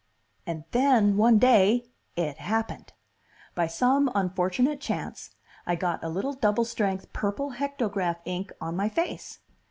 "And then, one day, it happened. By some unfortunate chance, I got a little double strength purple hectograph ink on my face.